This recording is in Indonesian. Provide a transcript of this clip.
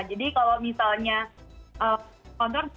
jadi kalau misalnya kontrak